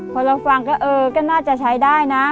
พอเราฟังก็น่าจะใช้ได้นะ